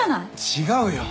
違うよ！